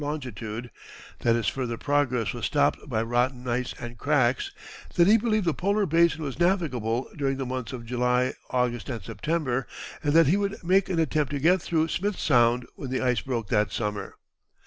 longitude; that his further progress was stopped by rotten ice and cracks; that he believed the polar basin was navigable during the months of July, August, and September, and that he would make an attempt to get through Smith's Sound when the ice broke that summer.